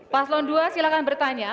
paslon dua silahkan bertanya